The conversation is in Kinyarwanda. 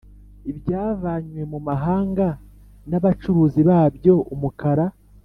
ibyavanywe mu mahanga n’abacuruzi babyo=Umukara